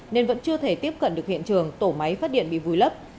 nên vẫn chưa thể tiếp cận được hiện trường tổ máy phát điện bị vùi lấp